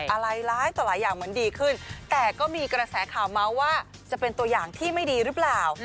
อะไรร้ายต่อหลายอย่างเหมือนดีขึ้นแต่ก็มีกระแสข่าวเมาส์ว่าจะเป็นตัวอย่างที่ไม่ดีหรือเปล่า